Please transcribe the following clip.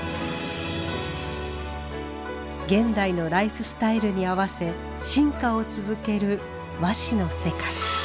現代のライフスタイルに合わせ進化を続ける和紙の世界。